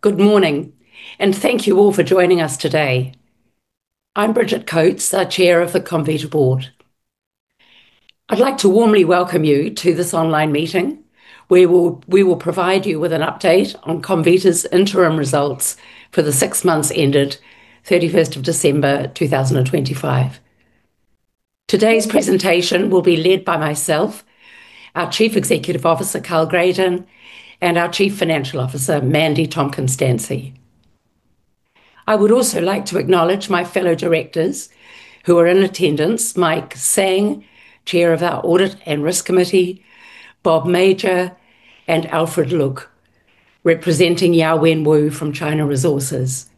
Good morning, and thank you all for joining us today. I'm Bridget Coates, the Chair of the Comvita Board. I'd like to warmly welcome you to this online meeting, where we will provide you with an update on Comvita's interim results for the six months ended 31 December 2025. Today's presentation will be led by myself, our Chief Executive Officer, Karl Gradon, and our Chief Financial Officer, Mandy Tomkins-Dancey. I would also like to acknowledge my fellow directors who are in attendance, Mike Sang, Chair of our Audit and Risk Committee, Bob Major, and Alfred Luk, representing Yawen Wu from China Resources.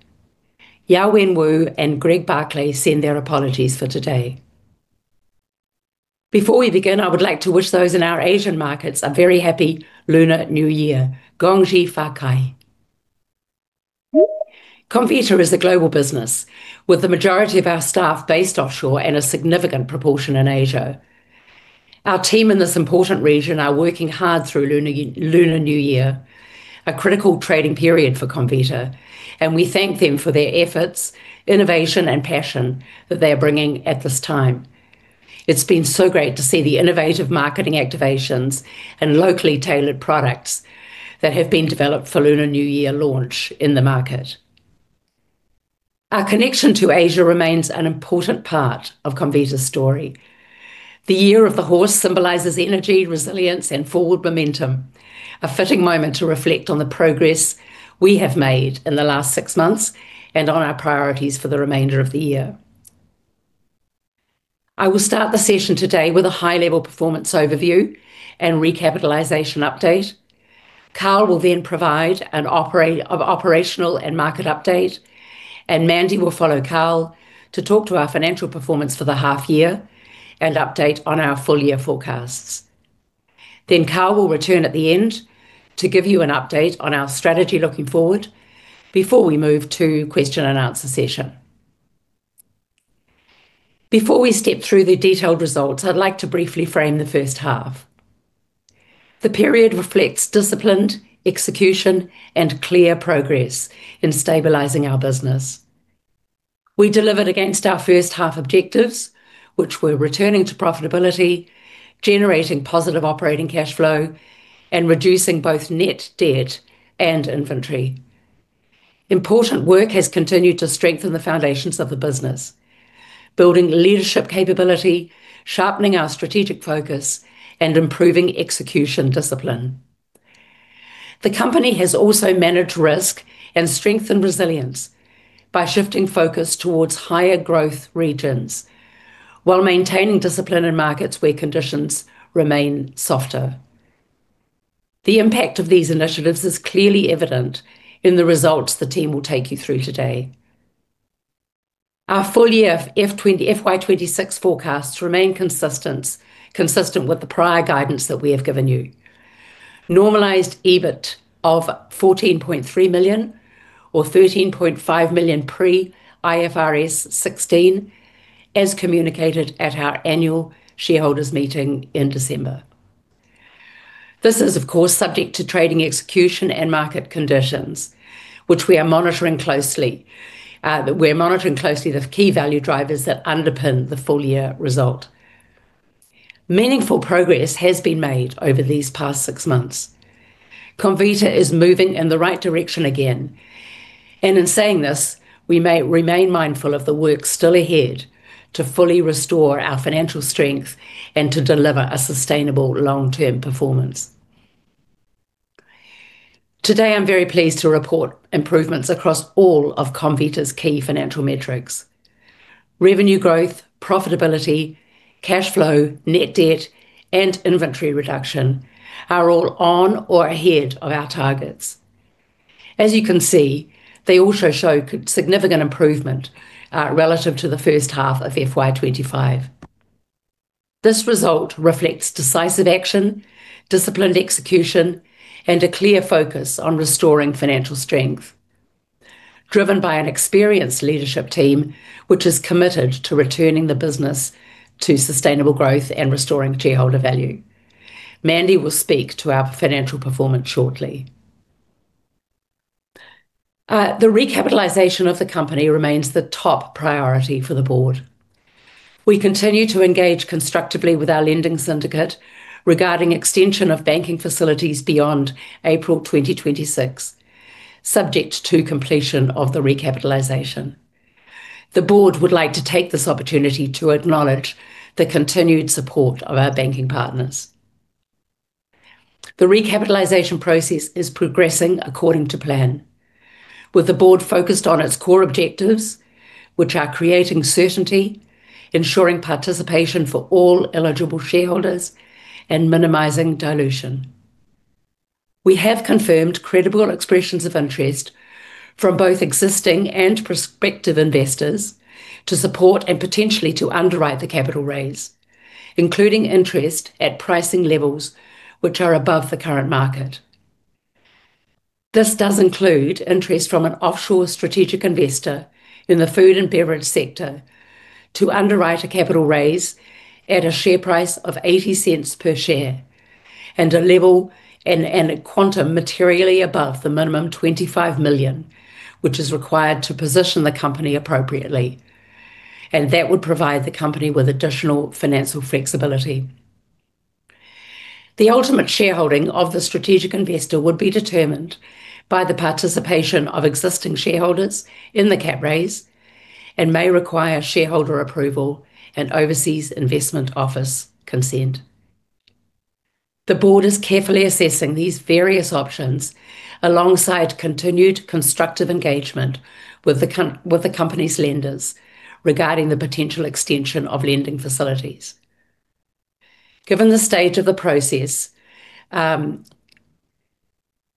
Yawen Wu and Greg Barclay send their apologies for today. Before we begin, I would like to wish those in our Asian markets a very happy Lunar New Year. Gong Xi Fa Cai. Comvita is a global business, with the majority of our staff based offshore and a significant proportion in Asia. Our team in this important region are working hard through Lunar New Year, a critical trading period for Comvita, and we thank them for their efforts, innovation, and passion that they are bringing at this time. It's been so great to see the innovative marketing activations and locally tailored products that have been developed for Lunar New Year launch in the market. Our connection to Asia remains an important part of Comvita's story. The Year of the Horse symbolizes energy, resilience, and forward momentum, a fitting moment to reflect on the progress we have made in the last six months and on our priorities for the remainder of the year. I will start the session today with a high-level performance overview and recapitalization update. Karl will then provide an operational and market update, and Mandy will follow Karl to talk to our financial performance for the half year and update on our full-year forecasts. Karl will return at the end to give you an update on our strategy looking forward, before we move to question and answer session. Before we step through the detailed results, I'd like to briefly frame the H1. The period reflects disciplined execution and clear progress in stabilizing our business. We delivered against our H1 objectives, which were returning to profitability, generating positive operating cash flow, and reducing both net debt and inventory. Important work has continued to strengthen the foundations of the business, building leadership capability, sharpening our strategic focus, and improving execution discipline. The company has also managed risk and strengthened resilience by shifting focus towards higher growth regions while maintaining discipline in markets where conditions remain softer. The impact of these initiatives is clearly evident in the results the team will take you through today. Our full year FY26 forecasts remain consistent with the prior guidance that we have given you. Normalized EBIT of 14.3 million, or 13.5 million pre IFRS 16, as communicated at our Annual Shareholders Meeting in December. This is, of course, subject to trading, execution, and market conditions, which we are monitoring closely. We're monitoring closely the key value drivers that underpin the full-year result. Meaningful progress has been made over these past six months. Comvita is moving in the right direction again. In saying this, we may remain mindful of the work still ahead to fully restore our financial strength and to deliver a sustainable long-term performance. Today, I'm very pleased to report improvements across all of Comvita's key financial metrics. Revenue growth, profitability, cash flow, net debt, and inventory reduction are all on or ahead of our targets. As you can see, they also show significant improvement relative to the H1 of FY25. This result reflects decisive action, disciplined execution, and a clear focus on restoring financial strength, driven by an experienced leadership team, which is committed to returning the business to sustainable growth and restoring shareholder value. Mandy will speak to our financial performance shortly. The recapitalization of the company remains the top priority for the board. We continue to engage constructively with our lending syndicate regarding extension of banking facilities beyond April 2026, subject to completion of the recapitalization. The board would like to take this opportunity to acknowledge the continued support of our banking partners. The recapitalization process is progressing according to plan, with the board focused on its core objectives, which are creating certainty, ensuring participation for all eligible shareholders, and minimizing dilution. We have confirmed credible expressions of interest from both existing and prospective investors to support and potentially to underwrite the capital raise, including interest at pricing levels which are above the current market. This does include interest from an offshore strategic investor in the food and beverage sector to underwrite a capital raise at a share price of 0.80 per share, and a level and a quantum materially above the minimum 25 million, which is required to position the company appropriately. That would provide the company with additional financial flexibility. The ultimate shareholding of the strategic investor would be determined by the participation of existing shareholders in the cap raise, and may require shareholder approval and Overseas Investment Office consent. The Board is carefully assessing these various options alongside continued constructive engagement with the company's lenders regarding the potential extension of lending facilities. Given the stage of the process,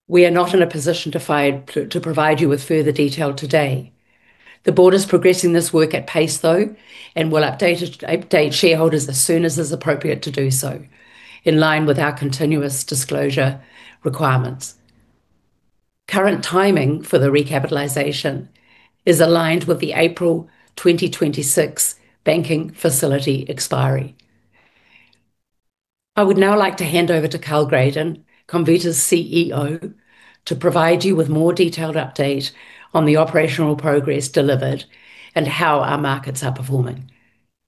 we are not in a position to provide you with further detail today. The board is progressing this work at pace, though, and will update it, update shareholders as soon as it's appropriate to do so, in line with our continuous disclosure requirements. Current timing for the recapitalization is aligned with the April 2026 banking facility expiry. I would now like to hand over to Karl Gradon, Comvita's CEO, to provide you with more detailed update on the operational progress delivered and how our markets are performing.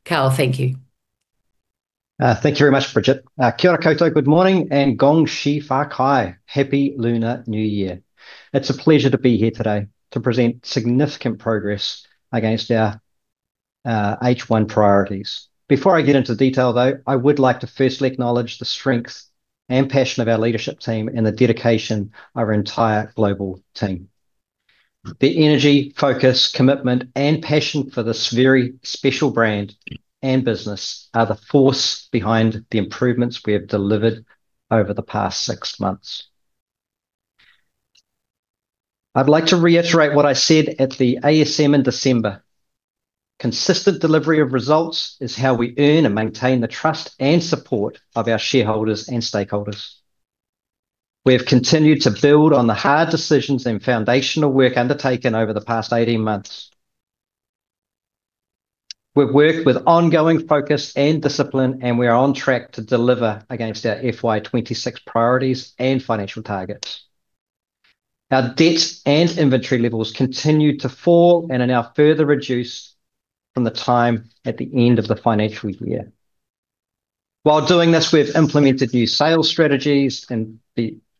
Karl, thank you. Thank you very much, Bridget. Kia ora koutou. Good morning. Gong Xi Fa Cai. Happy Lunar New Year. It's a pleasure to be here today to present significant progress against our H1 priorities. Before I get into detail, though, I would like to firstly acknowledge the strength and passion of our leadership team and the dedication of our entire global team. Their energy, focus, commitment, and passion for this very special brand and business are the force behind the improvements we have delivered over the past six months. I'd like to reiterate what I said at the ASM in December: consistent delivery of results is how we earn and maintain the trust and support of our shareholders and stakeholders. We have continued to build on the hard decisions and foundational work undertaken over the past 18 months. We've worked with ongoing focus and discipline. We are on track to deliver against our FY26 priorities and financial targets. Our debt and inventory levels continue to fall and are now further reduced from the time at the end of the financial year. While doing this, we've implemented new sales strategies in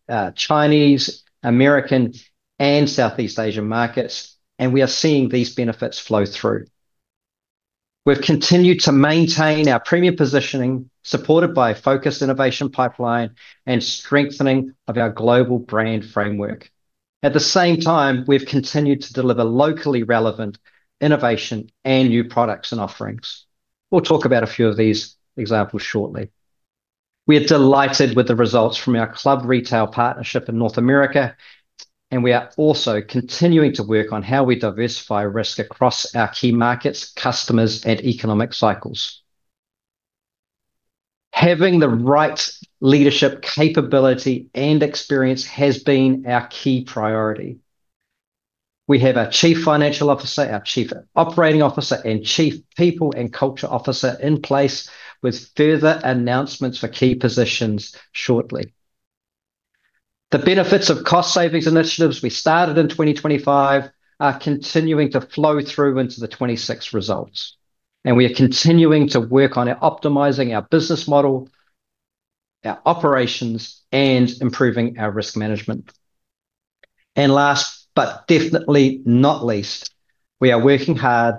the Chinese, American, and Southeast Asian markets. We are seeing these benefits flow through. We've continued to maintain our premium positioning, supported by a focused innovation pipeline and strengthening of our global brand framework. At the same time, we've continued to deliver locally relevant innovation and new products and offerings. We'll talk about a few of these examples shortly. We are delighted with the results from our club retail partnership in North America. We are also continuing to work on how we diversify risk across our key markets, customers, and economic cycles. Having the right leadership capability and experience has been our key priority. We have our Chief Financial Officer, our Chief Operating Officer, and Chief People and Culture Officer in place, with further announcements for key positions shortly. The benefits of cost savings initiatives we started in 2025 are continuing to flow through into the '26 results, and we are continuing to work on optimizing our business model, our operations, and improving our risk management. Last but definitely not least, we are working hard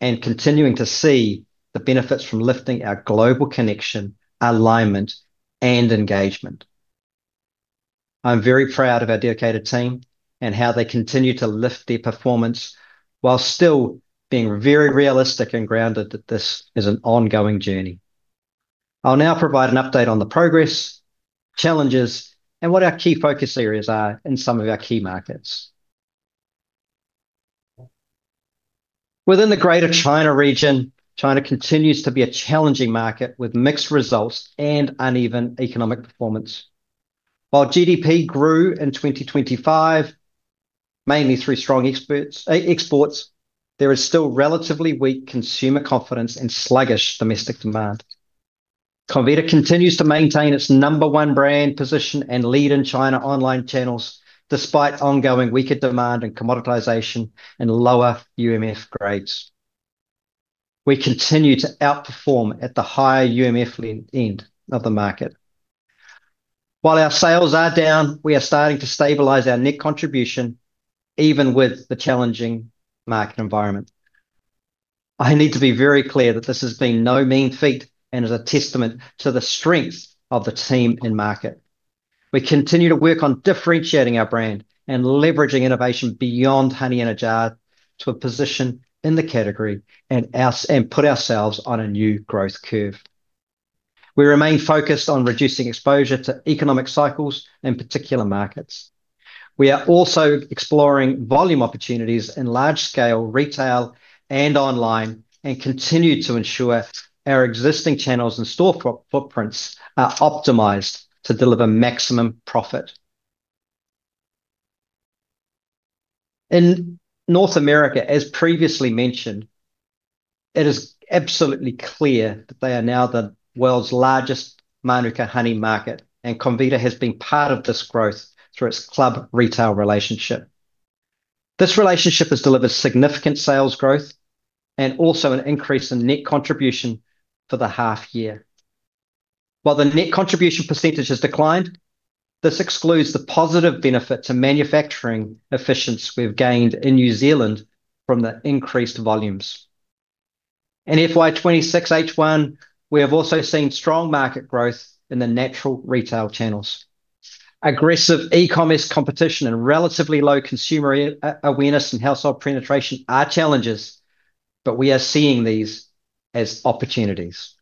and continuing to see the benefits from lifting our global connection, alignment, and engagement. I'm very proud of our dedicated team and how they continue to lift their performance while still being very realistic and grounded that this is an ongoing journey. I'll now provide an update on the progress, challenges, and what our key focus areas are in some of our key markets. Within the Greater China region, China continues to be a challenging market, with mixed results and uneven economic performance. While GDP grew in 2025, mainly through strong experts, exports, there is still relatively weak consumer confidence and sluggish domestic demand. Comvita continues to maintain its number one brand position and lead in China online channels, despite ongoing weaker demand and commoditization and lower UMF grades. We continue to outperform at the higher UMF end of the market. While our sales are down, we are starting to stabilize our net contribution, even with the challenging market environment. I need to be very clear that this has been no mean feat and is a testament to the strength of the team in-market. We continue to work on differentiating our brand and leveraging innovation beyond honey in a jar to a position in the category and put ourselves on a new growth curve. We remain focused on reducing exposure to economic cycles in particular markets. We are also exploring volume opportunities in large-scale retail and online, and continue to ensure our existing channels and footprints are optimized to deliver maximum profit. In North America, as previously mentioned. It is absolutely clear that they are now the world's largest Manuka honey market, and Comvita has been part of this growth through its club retail relationship. This relationship has delivered significant sales growth and also an increase in net contribution for the half year. While the net contribution percentage has declined, this excludes the positive benefit to manufacturing efficiency we've gained in New Zealand from the increased volumes. In FY26H1, we have also seen strong market growth in the natural retail channels. Aggressive E-commerce competition and relatively low consumer awareness and household penetration are challenges, but we are seeing these as opportunities.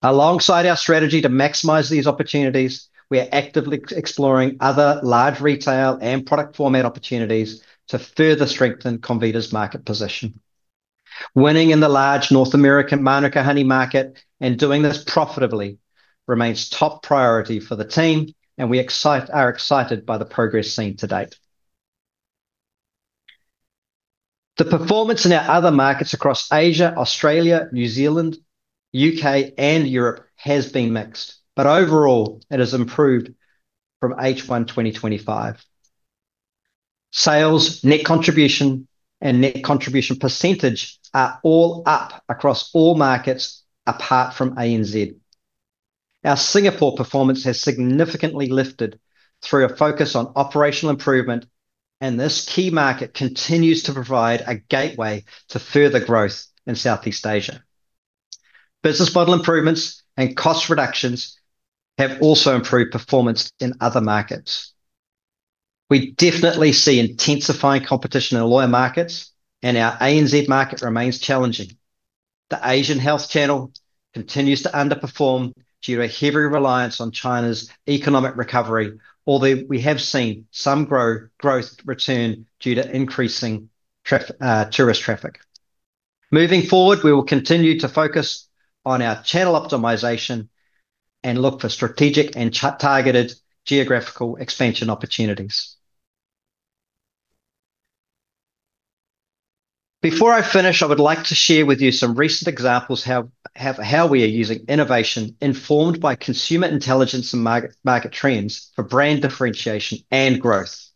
Alongside our strategy to maximize these opportunities, we are actively exploring other large retail and product format opportunities to further strengthen Comvita's market position. Winning in the large North American Manuka honey market and doing this profitably remains top priority for the team, and we are excited by the progress seen to date. The performance in our other markets across Asia, Australia, New Zealand, UK, and Europe has been mixed, but overall it has improved from H12025. Sales, net contribution, and net contribution percentage are all up across all markets apart from ANZ. Our Singapore performance has significantly lifted through a focus on operational improvement, and this key market continues to provide a gateway to further growth in Southeast Asia. Business model improvements and cost reductions have also improved performance in other markets. We definitely see intensifying competition in lower markets, and our ANZ market remains challenging. The Asian health channel continues to underperform due to a heavy reliance on China's economic recovery, although we have seen some growth return due to increasing tourist traffic. Moving forward, we will continue to focus on our channel optimization and look for strategic and targeted geographical expansion opportunities. Before I finish, I would like to share with you some recent examples how we are using innovation, informed by consumer intelligence and market trends, for brand differentiation and growth.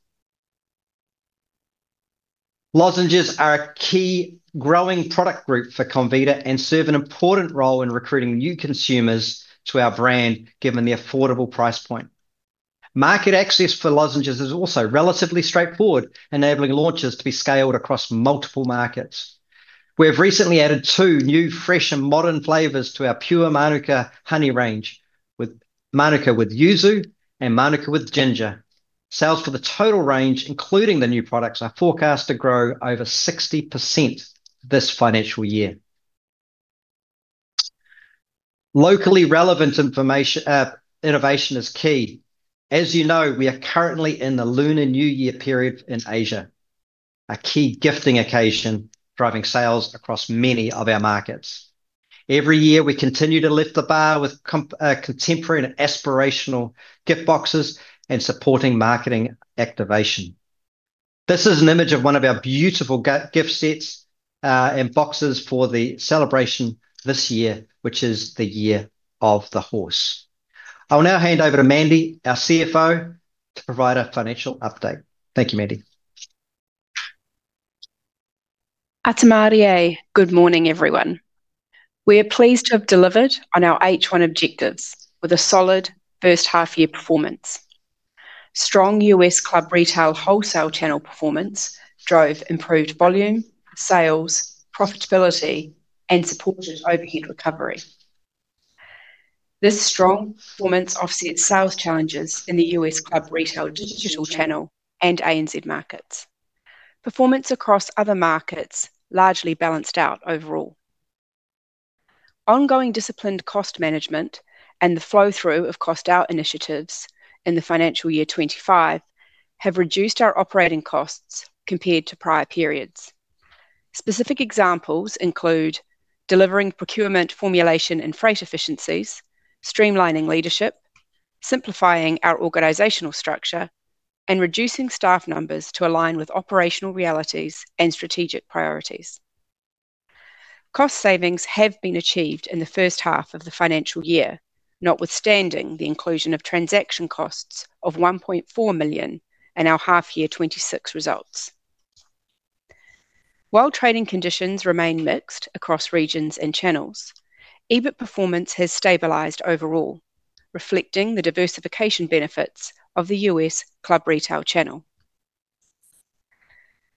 Lozenges are a key growing product group for Comvita and serve an important role in recruiting new consumers to our brand, given the affordable price point. Market access for Lozenges is also relatively straightforward, enabling launches to be scaled across multiple markets. We have recently added two new fresh and modern flavors to our pure Manuka honey range, with Manuka with yuzu and Manuka with ginger. Sales for the total range, including the new products, are forecast to grow over 60% this financial year. Locally relevant innovation is key. As you know, we are currently in the Lunar New Year period in Asia, a key gifting occasion, driving sales across many of our markets. Every year, we continue to lift the bar with contemporary and aspirational gift boxes and supporting marketing activation. This is an image of one of our beautiful gift sets, and boxes for the celebration this year, which is the Year of the Horse. I will now hand over to Mandy, our CFO, to provide a financial update. Thank you, Mandy. Good morning, everyone. We are pleased to have delivered on our H1 objectives with a solid H1-year performance. Strong U.S. club retail wholesale channel performance drove improved volume, sales, profitability, and supported overhead recovery. This strong performance offset sales challenges in the U.S. club retail digital channel and ANZ markets. Performance across other markets largely balanced out overall. Ongoing disciplined cost management and the flow-through of cost out initiatives in the financial year 2025 have reduced our operating costs compared to prior periods. Specific examples include: delivering procurement, formulation, and freight efficiencies, streamlining leadership, simplifying our organizational structure, and reducing staff numbers to align with operational realities and strategic priorities. Cost savings have been achieved in the H1 of the financial year, notwithstanding the inclusion of transaction costs of $1.4 million in our half year 2026 results. While trading conditions remain mixed across regions and channels, EBIT performance has stabilized overall, reflecting the diversification benefits of the U.S. club retail channel.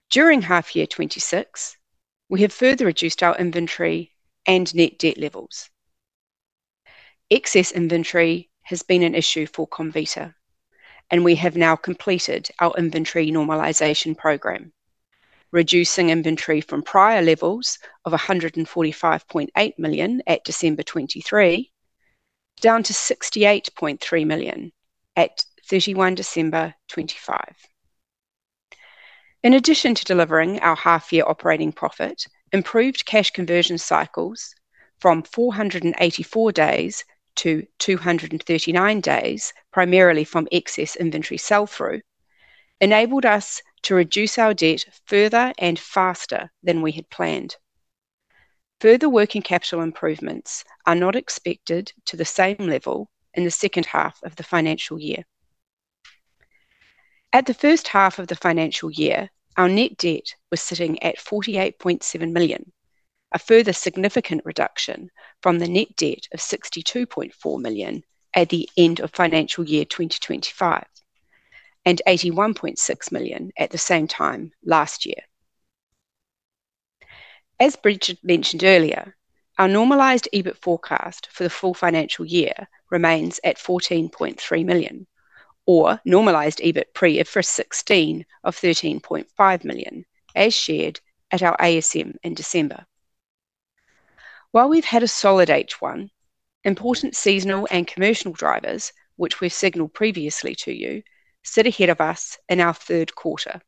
During HY26, we have further reduced our inventory and net debt levels. Excess inventory has been an issue for Comvita, and we have now completed our inventory normalization program, reducing inventory from prior levels of $145.8 million at December 2023, down to $68.3 million at 31 December 2025. In addition to delivering our half-year operating profit, improved cash conversion cycles from 484 days to 239 days, primarily from excess inventory sell-through-... enabled us to reduce our debt further and faster than we had planned. Further working capital improvements are not expected to the same level in the H2 of the financial year. At the H1 of the financial year, our net debt was sitting at 48.7 million, a further significant reduction from the net debt of 62.4 million at the end of financial year 2025, and 81.6 million at the same time last year. As Bridget mentioned earlier, our Normalized EBIT forecast for the full financial year remains at 14.3 million, or Normalized EBIT pre-IFRS 16 of 13.5 million, as shared at our ASM in December. While we've had a solid H1, important seasonal and commercial drivers, which we've signaled previously to you, sit ahead of us in our third quarter.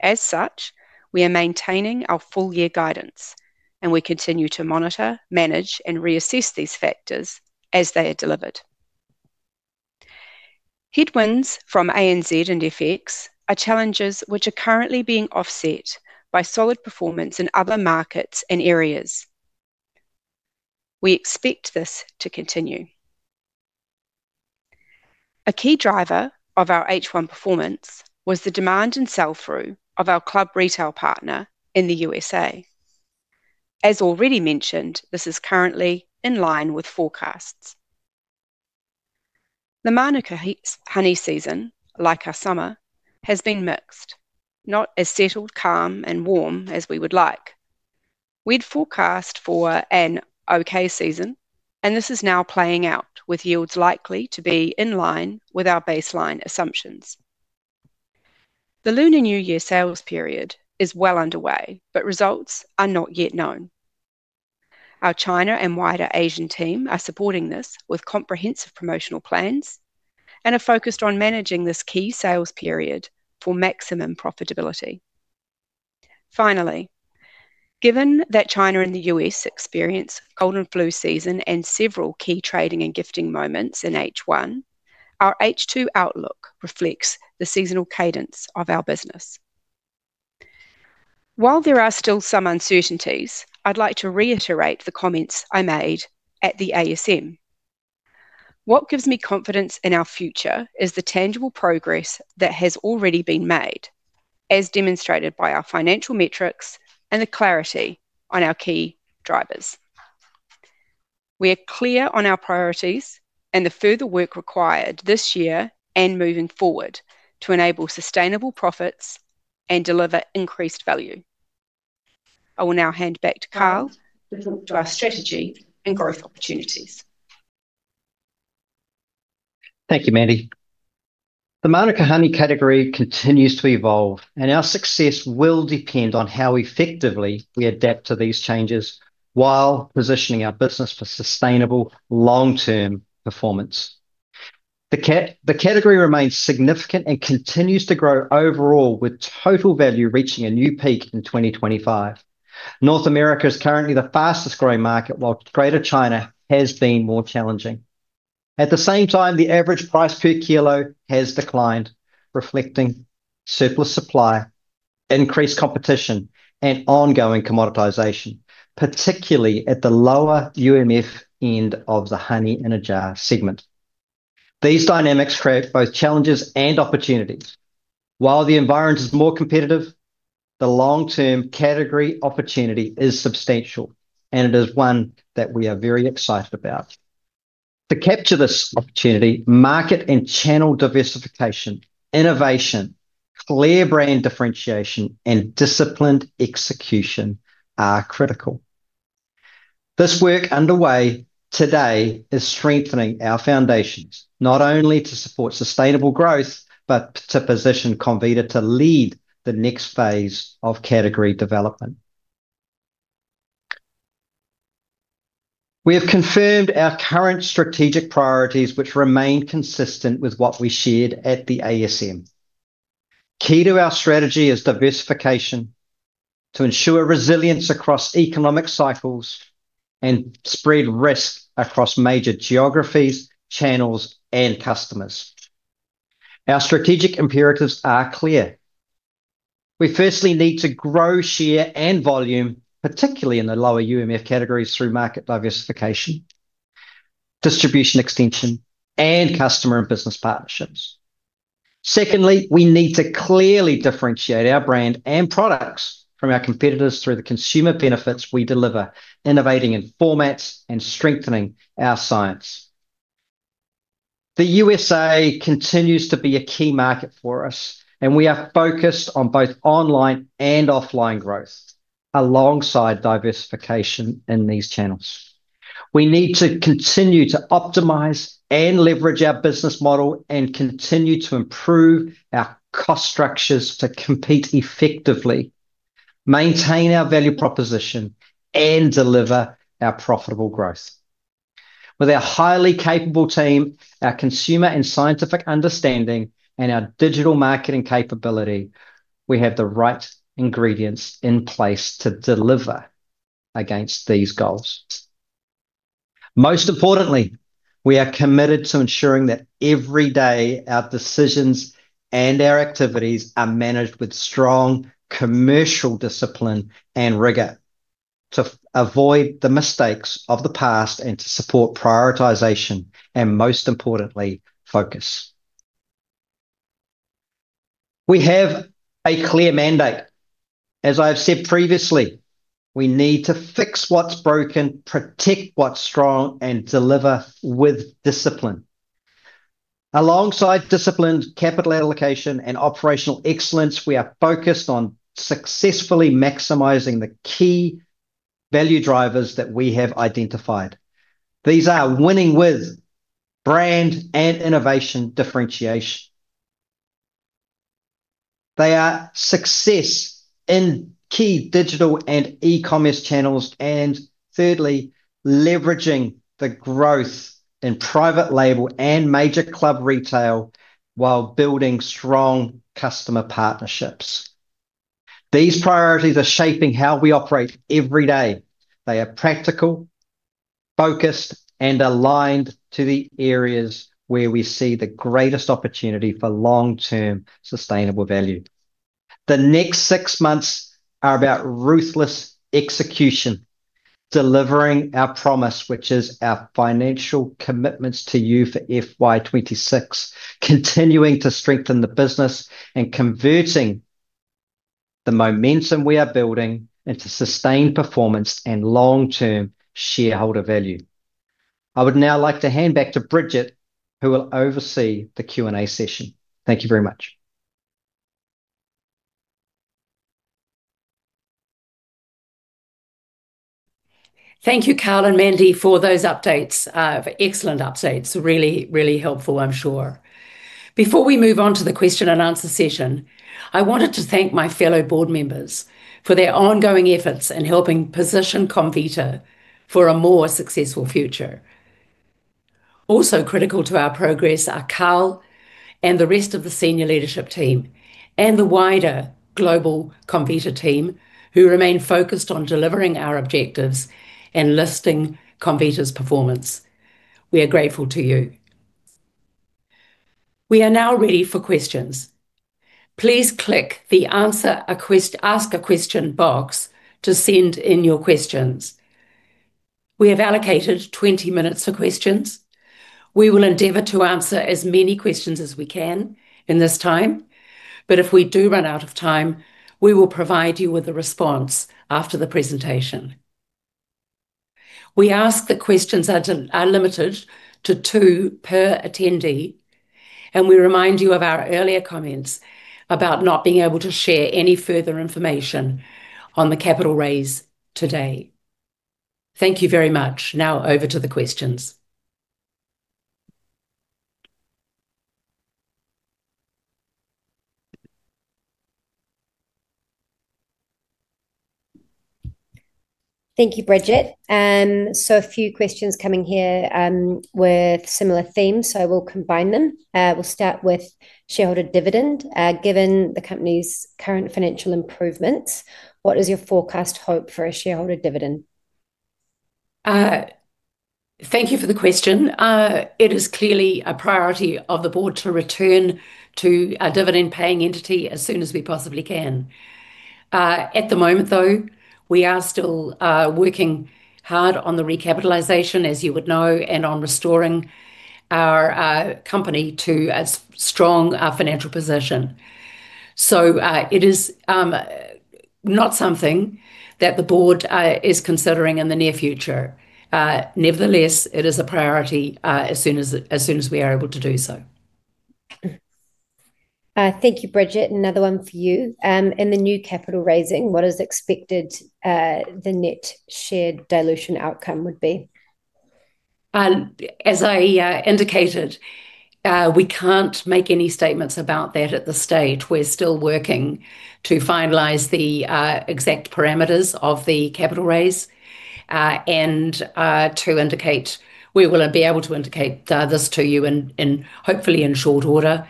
As such, we are maintaining our full year guidance, and we continue to monitor, manage, and reassess these factors as they are delivered. Headwinds from A&Z and FX are challenges which are currently being offset by solid performance in other markets and areas. We expect this to continue. A key driver of our H1 performance was the demand and sell-through of our club retail partner in the U.S.A. As already mentioned, this is currently in line with forecasts. The Manuka honey season, like our summer, has been mixed, not as settled, calm, and warm as we would like. We'd forecast for an okay season, and this is now playing out, with yields likely to be in line with our baseline assumptions. The Lunar New Year sales period is well underway, but results are not yet known. Our China and wider Asian team are supporting this with comprehensive promotional plans and are focused on managing this key sales period for maximum profitability. Finally, given that China and the U.S. experience cold and flu season and several key trading and gifting moments in H1, our H2 outlook reflects the seasonal cadence of our business. While there are still some uncertainties, I'd like to reiterate the comments I made at the ASM. What gives me confidence in our future is the tangible progress that has already been made, as demonstrated by our financial metrics and the clarity on our key drivers. We are clear on our priorities and the further work required this year and moving forward to enable sustainable profits and deliver increased value. I will now hand back to Karl to talk to our strategy and growth opportunities. Thank you, Mandy. The Manuka honey category continues to evolve, and our success will depend on how effectively we adapt to these changes while positioning our business for sustainable long-term performance. The category remains significant and continues to grow overall, with total value reaching a new peak in 2025. North America is currently the fastest-growing market, while Greater China has been more challenging. At the same time, the average price per kilo has declined, reflecting surplus supply, increased competition, and ongoing commoditization, particularly at the lower UMF end of the honey-in-a-jar segment. These dynamics create both challenges and opportunities. While the environment is more competitive, the long-term category opportunity is substantial, and it is one that we are very excited about. To capture this opportunity, market and channel diversification, innovation, clear brand differentiation, and disciplined execution are critical. This work underway today is strengthening our foundations, not only to support sustainable growth, but to position Comvita to lead the next phase of category development. We have confirmed our current strategic priorities, which remain consistent with what we shared at the ASM. Key to our strategy is diversification, to ensure resilience across economic cycles and spread risk across major geographies, channels, and customers. Our strategic imperatives are clear. We firstly need to grow share and volume, particularly in the lower UMF categories, through market diversification, distribution extension, and customer and business partnerships. Secondly, we need to clearly differentiate our brand and products from our competitors through the consumer benefits we deliver, innovating in formats and strengthening our science. The U.S.A. continues to be a key market for us, and we are focused on both online and offline growth, alongside diversification in these channels. We need to continue to optimize and leverage our business model and continue to improve our cost structures to compete effectively, maintain our value proposition, and deliver our profitable growth. With our highly capable team, our consumer and scientific understanding, and our digital marketing capability, we have the right ingredients in place to deliver against these goals. Most importantly, we are committed to ensuring that every day our decisions and our activities are managed with strong commercial discipline and rigor, to avoid the mistakes of the past and to support prioritization, and most importantly, focus. We have a clear mandate. As I have said previously, we need to fix what's broken, protect what's strong, and deliver with discipline. Alongside disciplined capital allocation and operational excellence, we are focused on successfully maximizing the key value drivers that we have identified. These are winning with brand and innovation differentiation. They are success in key digital and E-commerce channels, and thirdly, leveraging the growth in private label and major club retail while building strong customer partnerships. These priorities are shaping how we operate every day. They are practical, focused, and aligned to the areas where we see the greatest opportunity for long-term sustainable value. The next six months are about ruthless execution, delivering our promise, which is our financial commitments to you for FY26, continuing to strengthen the business, and converting the momentum we are building into sustained performance and long-term shareholder value. I would now like to hand back to Bridget, who will oversee the Q&A session. Thank you very much. Thank you, Karl and Mandy, for those updates. Excellent updates. Really, really helpful, I'm sure. Before we move on to the question and answer session, I wanted to thank my fellow board members for their ongoing efforts in helping position Comvita for a more successful future. Also critical to our progress are Karl and the rest of the senior leadership team, and the wider global Comvita team, who remain focused on delivering our objectives and listing Comvita's performance. We are grateful to you. We are now ready for questions. Please click the ask a question box to send in your questions. We have allocated 20 minutes for questions. We will endeavor to answer as many questions as we can in this time, but if we do run out of time, we will provide you with a response after the presentation. We ask that questions are limited to two per attendee. We remind you of our earlier comments about not being able to share any further information on the capital raise today. Thank you very much. Over to the questions. Thank you, Bridget. A few questions coming here, with similar themes, so we'll combine them. We'll start with shareholder dividend. Given the company's current financial improvements, what is your forecast hope for a shareholder dividend? Thank you for the question. It is clearly a priority of the Board to return to a dividend-paying entity as soon as we possibly can. At the moment, though, we are still working hard on the recapitalization, as you would know, and on restoring our company to a strong financial position. It is not something that the Board is considering in the near future. Nevertheless, it is a priority, as soon as, as soon as we are able to do so. Thank you, Bridget. Another one for you. In the new capital raising, what is expected, the net shared dilution outcome would be? As I indicated, we can't make any statements about that at this stage. We're still working to finalize the exact parameters of the capital raise, and we will be able to indicate this to you in, in hopefully in short order.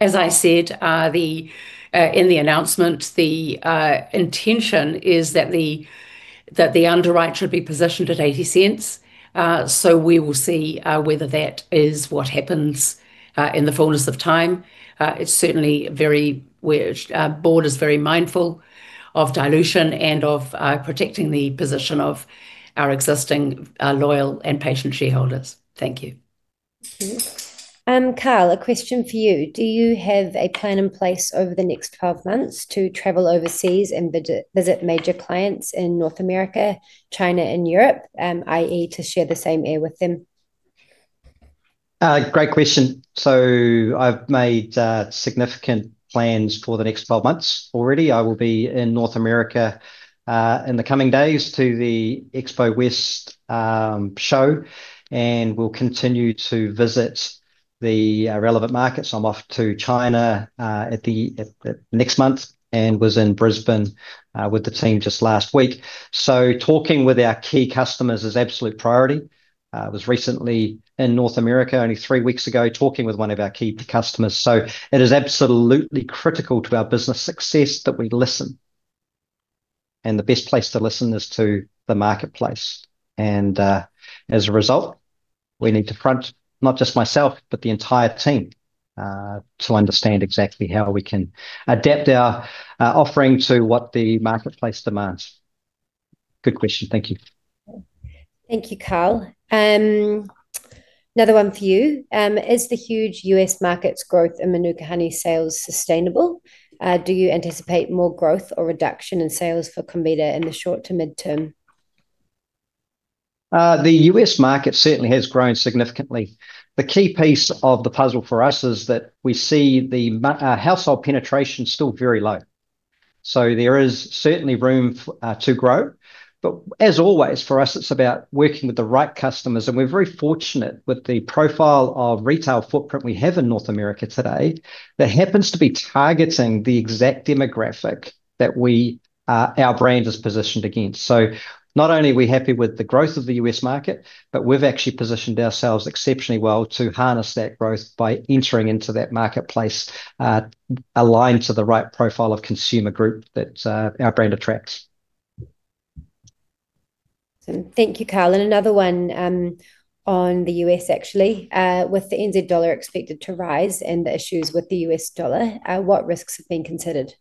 As I said, the in the announcement, the intention is that the that the underwrite should be positioned at 0.80. We will see whether that is what happens in the fullness of time. It's certainly very... We're Board is very mindful of dilution and of protecting the position of our existing loyal and patient shareholders. Thank you. Thank you. Karl, a question for you. Do you have a plan in place over the next 12 months to travel overseas and visit major clients in North America, China, and Europe, i.e., to share the same air with them? Great question. I've made significant plans for the next 12 months already. I will be in North America in the coming days to the Expo West show, and will continue to visit the relevant markets. I'm off to China next month, and was in Brisbane with the team just last week. Talking with our key customers is absolute priority. I was recently in North America only three weeks ago, talking with one of our key customers. It is absolutely critical to our business success that we listen. The best place to listen is to the marketplace. As a result, we need to front, not just myself, but the entire team, to understand exactly how we can adapt our offering to what the marketplace demands. Good question. Thank you. Thank you, Karl. Another one for you. Is the huge US market's growth in Manuka honey sales sustainable? Do you anticipate more growth or reduction in sales for Comvita in the short to mid-term? The U.S. market certainly has grown significantly. The key piece of the puzzle for us is that we see the m- household penetration still very low. There is certainly room f- to grow. As always, for us, it's about working with the right customers, and we're very fortunate with the profile of retail footprint we have in North America today, that happens to be targeting the exact demographic that we, our brand is positioned against. Not only are we happy with the growth of the U.S.market, but we've actually positioned ourselves exceptionally well to harness that growth by entering into that marketplace, aligned to the right profile of consumer group that, our brand attracts. Thank you, Karl. Another one, on the U.S., actually. With the NZ dollar expected to rise and the issues with the U.S. dollar, what risks have been considered?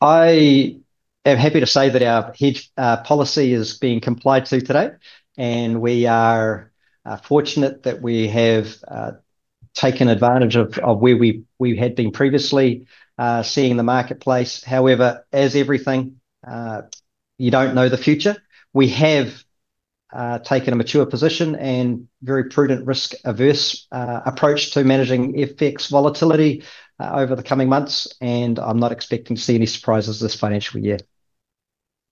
I am happy to say that our hedge policy is being complied to today. We are fortunate that we have taken advantage of where we had been previously seeing the marketplace. As everything, you don't know the future. We have taken a mature position and very prudent, risk-averse approach to managing FX volatility over the coming months. I'm not expecting to see any surprises this financial year.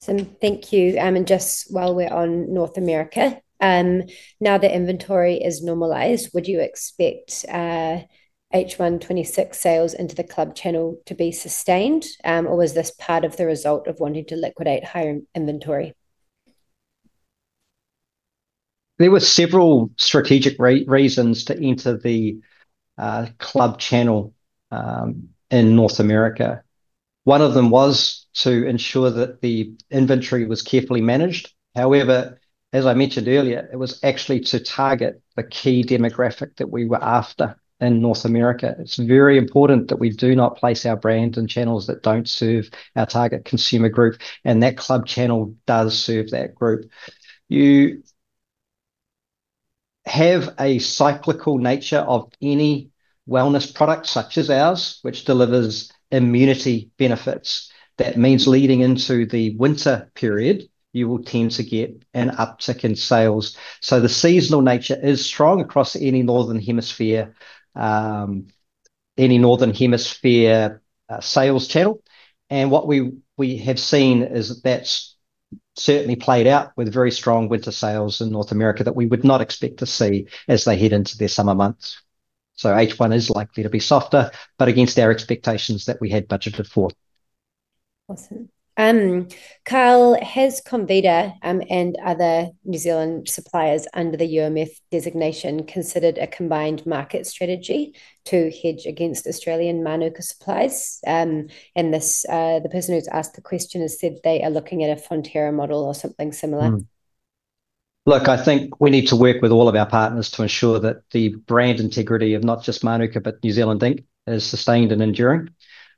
Thank you. Just while we're on North America, now that inventory is normalized, would you expect H1 FY26 sales into the club channel to be sustained, or was this part of the result of wanting to liquidate higher inventory? There were several strategic reasons to enter the club channel in North America. One of them was to ensure that the inventory was carefully managed. However, as I mentioned earlier, it was actually to target the key demographic that we were after in North America. It's very important that we do not place our brand in channels that don't serve our target consumer group, and that club channel does serve that group. You have a cyclical nature of any wellness product, such as ours, which delivers immunity benefits. That means leading into the winter period, you will tend to get an uptick in sales. So the seasonal nature is strong across any Northern Hemisphere, any Northern Hemisphere sales channel. What we, we have seen is that's certainly played out with very strong winter sales in North America that we would not expect to see as they head into their summer months. H1 is likely to be softer, but against our expectations that we had budgeted for. Awesome. Karl, has Comvita, and other New Zealand suppliers under the UMF designation, considered a combined market strategy to hedge against Australian Manuka supplies? This, the person who's asked the question has said they are looking at a Fonterra model or something similar. Mm. Look, I think we need to work with all of our partners to ensure that the brand integrity of not just Manuka, but New Zealand Inc, is sustained and enduring.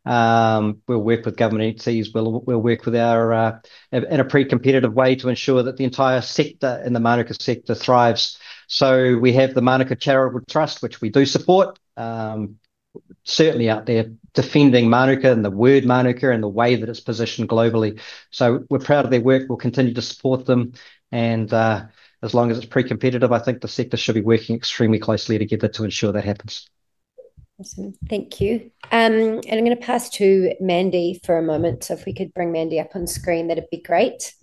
We'll work with government entities, we'll, we'll work with our in a pre-competitive way to ensure that the entire sector in the Manuka sector thrives. We have the Manuka Charitable Trust, which we do support, certainly out there defending Manuka, and the word Manuka, and the way that it's positioned globally. We're proud of their work. We'll continue to support them, and, as long as it's pre-competitive, I think the sector should be working extremely closely together to ensure that happens. Awesome. Thank you. I'm going to pass to Mandy for a moment. If we could bring Mandy up on screen, that'd be great.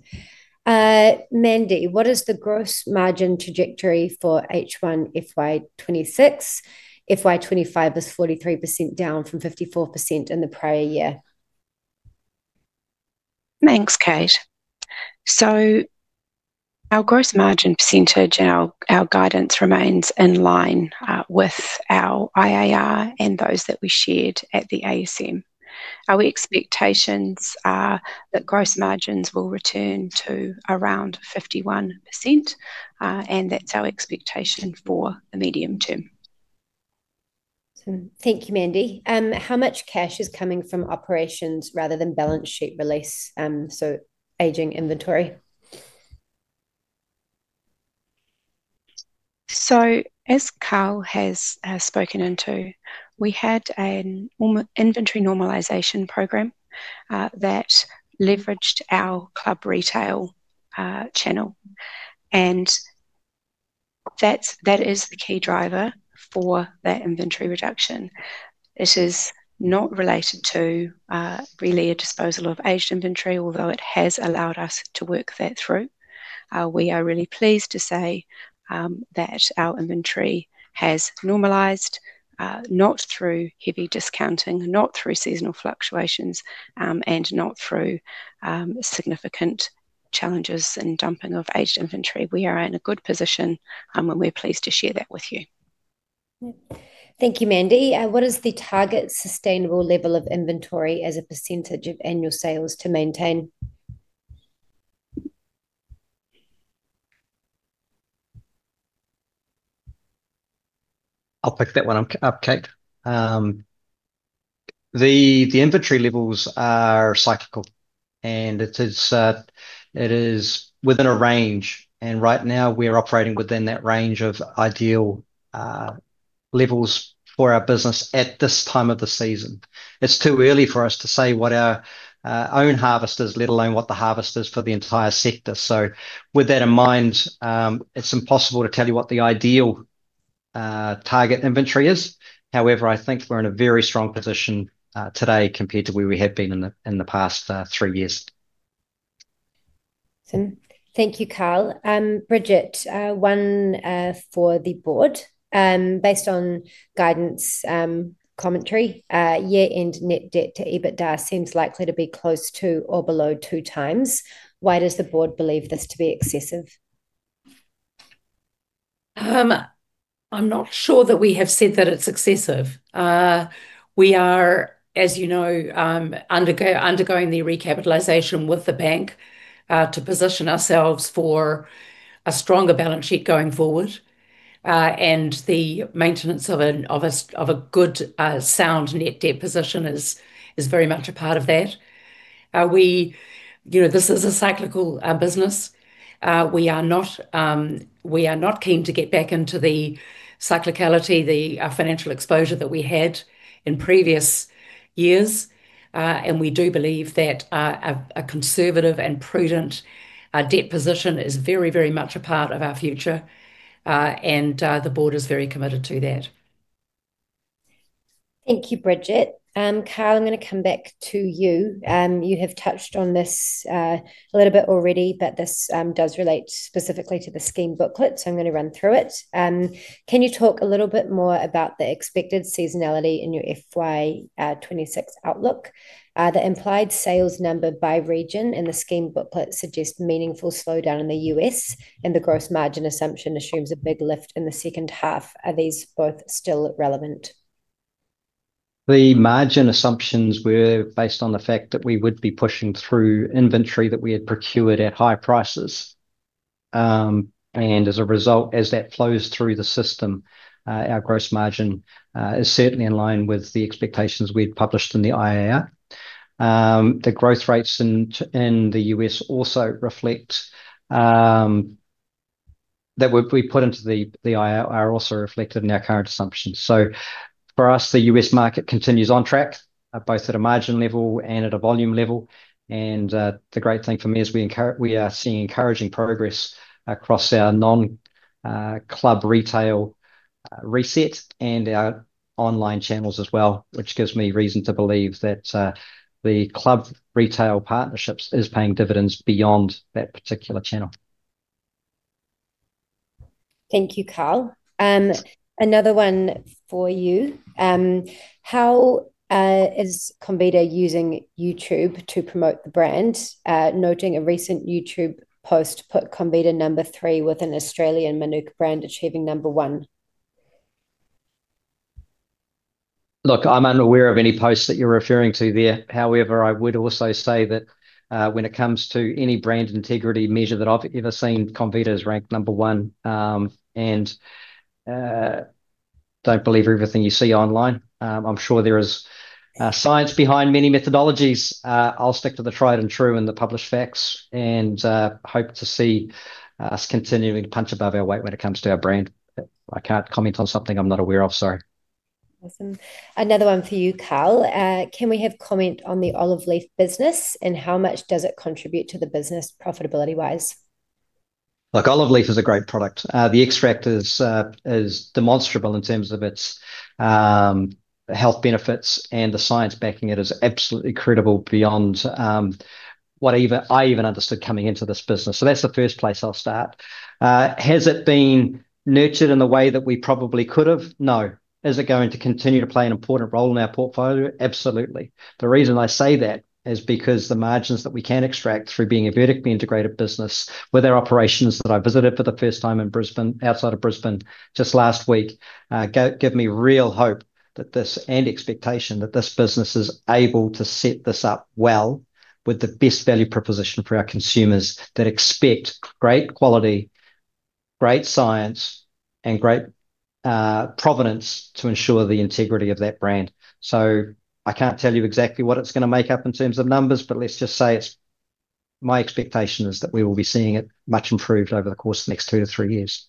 Mandy, what is the gross margin trajectory for H1 FY26? FY25 was 43%, down from 54% in the prior year. Thanks, Kate. Our gross margin percentage and our, our guidance remains in line with our IAR and those that we shared at the ASM. Our expectations are that gross margins will return to around 51%, and that's our expectation for the medium term. Thank you, Mandy. How much cash is coming from operations rather than balance sheet release, so aging inventory? As Karl has spoken into, we had an inventory normalization program that leveraged our club retail channel, and that's, that is the key driver for that inventory reduction. It is not related to really a disposal of aged inventory, although it has allowed us to work that through. We are really pleased to say that our inventory has normalized, not through heavy discounting, not through seasonal fluctuations, and not through significant challenges and dumping of aged inventory. We are in a good position, and we're pleased to share that with you. Thank you, Mandy. What is the target sustainable level of inventory as a % of annual sales to maintain? I'll pick that one up, Kate. The inventory levels are cyclical, and it is, it is within a range, and right now we're operating within that range of ideal levels for our business at this time of the season. It's too early for us to say what our own harvest is, let alone what the harvest is for the entire sector. With that in mind, it's impossible to tell you what the ideal target inventory is. However, I think we're in a very strong position today compared to where we have been in the past, 3 years. Thank you, Karl. Bridget, one, for the board. Based on guidance, commentary, year-end net debt to EBITDA seems likely to be close to or below 2 times. Why does the board believe this to be excessive? I'm not sure that we have said that it's excessive. We are, as you know, undergoing the recapitalization with the bank, to position ourselves for a stronger balance sheet going forward. The maintenance of a good, sound net debt position is very much a part of that. We you know, this is a cyclical business. We are not, we are not keen to get back into the cyclicality, the financial exposure that we had in previous years. We do believe that a conservative and prudent debt position is very, very much a part of our future, and the board is very committed to that. Thank you, Bridget. Karl, I'm going to come back to you. You have touched on this a little bit already, but this does relate specifically to the Scheme Booklet, so I'm going to run through it. Can you talk a little bit more about the expected seasonality in your FY26 outlook? The implied sales number by region in the U.S., and the gross margin assumption assumes a big lift in the second half. Are these both still relevant? The margin assumptions were based on the fact that we would be pushing through inventory that we had procured at high prices. As a result, as that flows through the system, our gross margin is certainly in line with the expectations we'd published in the IAR. The growth rates in the U.S. also reflect that we, we put into the IAR, are also reflected in our current assumptions. For us, the U.S. market continues on track, both at a margin level and at a volume level, and the great thing for me is we are seeing encouraging progress across our non club retail reset and our online channels as well, which gives me reason to believe that the club retail partnerships is paying dividends beyond that particular channel. Thank you, Karl. Another one for you. How is Comvita using YouTube to promote the brand? Noting a recent YouTube post put Comvita number 3, with an Australian Manuka brand achieving number 1. Look, I'm unaware of any posts that you're referring to there. However, I would also say that, when it comes to any brand integrity measure that I've ever seen, Comvita is ranked number one. Don't believe everything you see online. I'm sure there is, science behind many methodologies. I'll stick to the tried and true and the published facts, and, hope to see us continuing to punch above our weight when it comes to our brand. I can't comment on something I'm not aware of, sorry. Awesome. Another one for you, Karl. Can we have comment on the olive leaf business, and how much does it contribute to the business profitability-wise? Look, olive leaf is a great product. The extract is demonstrable in terms of its health benefits, and the science backing it is absolutely incredible beyond what even- I even understood coming into this business. That's the first place I'll start. Has it been nurtured in the way that we probably could have? No. Is it going to continue to play an important role in our portfolio? Absolutely. The reason I say that is because the margins that we can extract through being a vertically integrated business, with our operations that I visited for the first time in Brisbane, outside of Brisbane just last week, give, give me real hope that this... Expectation, that this business is able to set this up well with the best value proposition for our consumers, that expect great quality, great science, and great provenance to ensure the integrity of that brand. I can't tell you exactly what it's going to make up in terms of numbers. Let's just say it's my expectation is that we will be seeing it much improved over the course of the next 2-3 years.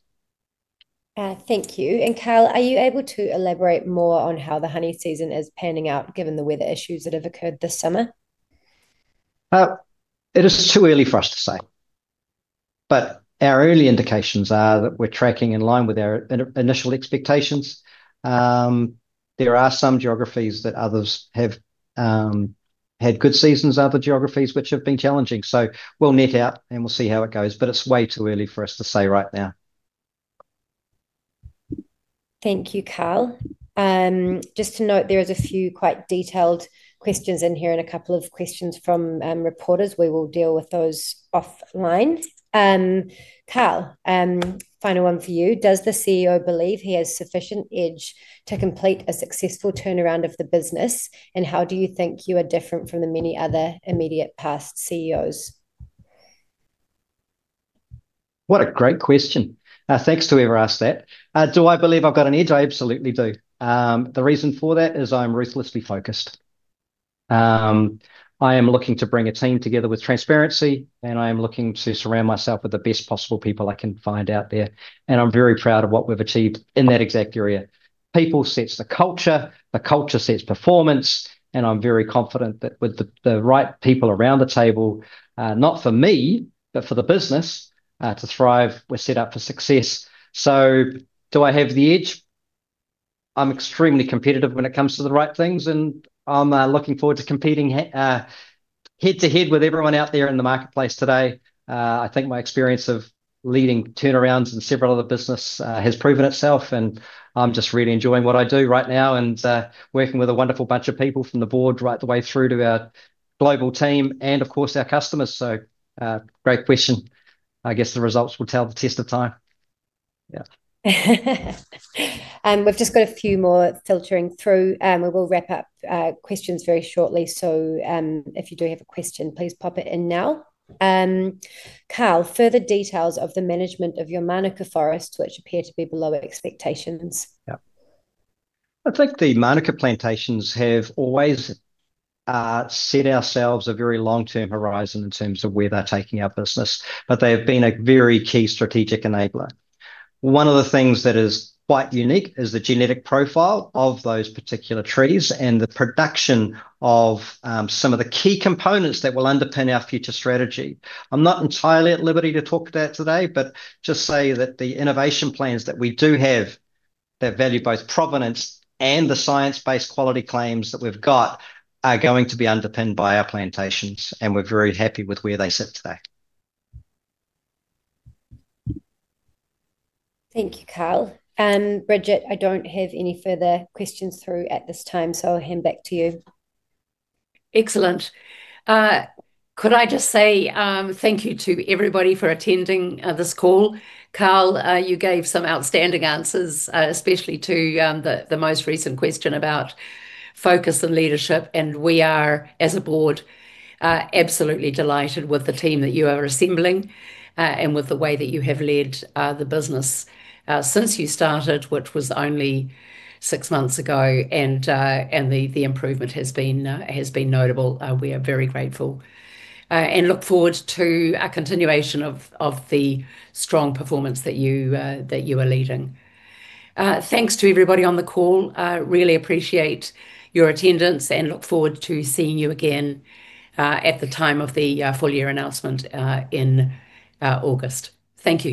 Thank you. Karl, are you able to elaborate more on how the honey season is panning out, given the weather issues that have occurred this summer? It is too early for us to say. Our early indications are that we're tracking in line with our in- initial expectations. There are some geographies that others have had good seasons, other geographies which have been challenging. We'll net out, and we'll see how it goes, but it's way too early for us to say right now. Thank you, Karl. Just to note, there is a few quite detailed questions in here and a couple of questions from reporters. We will deal with those offline. Karl, final one for you. Does the CEO believe he has sufficient edge to complete a successful turnaround of the business? How do you think you are different from the many other immediate past CEOs? What a great question. Thanks to whoever asked that. Do I believe I've got an edge? I absolutely do. The reason for that is I'm ruthlessly focused. I am looking to bring a team together with transparency, and I am looking to surround myself with the best possible people I can find out there, and I'm very proud of what we've achieved in that exact area. People sets the culture, the culture sets performance, and I'm very confident that with the, the right people around the table, not for me, but for the business, to thrive, we're set up for success. Do I have the edge? I'm extremely competitive when it comes to the right things, and I'm looking forward to competing head-to-head with everyone out there in the marketplace today. I think my experience of leading turnarounds in several other business has proven itself, and I'm just really enjoying what I do right now and working with a wonderful bunch of people from the Board right the way through to our global team and, of course, our customers. great question. I guess the results will tell the test of time. Yeah. We've just got a few more filtering through, we will wrap up questions very shortly. If you do have a question, please pop it in now. Karl, further details of the management of your Mānuka forests, which appear to be below expectations. Yeah. I think the Mānuka plantations have always set ourselves a very long-term horizon in terms of where they're taking our business, but they have been a very key strategic enabler. One of the things that is quite unique is the genetic profile of those particular trees and the production of some of the key components that will underpin our future strategy. I'm not entirely at liberty to talk about today, but just say that the innovation plans that we do have, that value both provenance and the science-based quality claims that we've got, are going to be underpinned by our plantations, and we're very happy with where they sit today. Thank you, Karl. Bridget, I don't have any further questions through at this time. I'll hand back to you. Excellent. Could I just say, thank you to everybody for attending this call. Karl, you gave some outstanding answers, especially to the most recent question about focus and leadership, and we are, as a board, absolutely delighted with the team that you are assembling, and with the way that you have led the business since you started, which was only six months ago, and the improvement has been notable. We are very grateful, and look forward to a continuation of the strong performance that you are leading. Thanks to everybody on the call. Really appreciate your attendance and look forward to seeing you again at the time of the full-year announcement in August. Thank you.